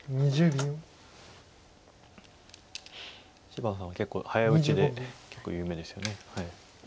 芝野さんは結構早打ちで結構有名ですよね。